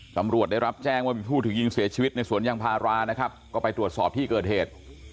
ตำรวจได้รับแจ้งว่ามีผู้ถูกยิงเสียชีวิตในสวนยางพารานะครับก็ไปตรวจสอบที่เกิดเหตุ